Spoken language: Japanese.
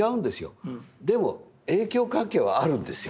でも影響関係はあるんですよ。